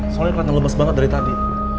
soalnya kan lemes banget dari tadi